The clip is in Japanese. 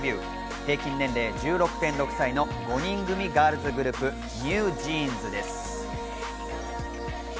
平均年齢１６．６歳の五人組ガールズグループ、ＮｅｗＪｅａｎｓです。